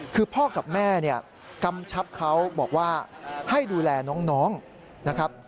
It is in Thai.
คือพ่อกับแม่เนี่ยกำชับเขาบอกว่าให้ดูแลน้องนะครับ